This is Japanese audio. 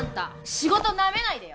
仕事なめないでよ。